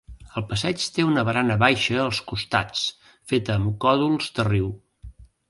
El passeig té una barana baixa als costats feta amb còdols de riu.